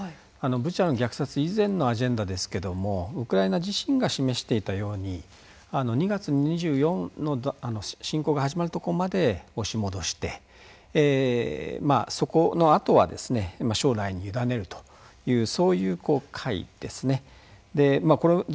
ブチャの虐殺以前のアジェンダですがウクライナ自身が示していたように２月２４日の侵攻の始まるところまで押し戻してそこのあとは将来に委ねるというそういうことですね。